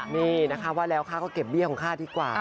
นี่นะคะว่าแล้วข้าก็เก็บเบี้ยของข้าดีกว่า